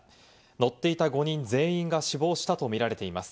乗っていた５人全員が死亡したと見られています。